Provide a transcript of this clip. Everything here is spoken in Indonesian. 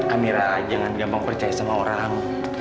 amira jangan gampang percaya sama orang